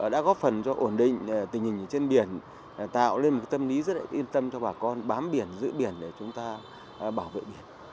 đã góp phần cho ổn định tình hình trên biển tạo lên một tâm lý rất yên tâm cho bà con bám biển giữ biển để chúng ta bảo vệ biển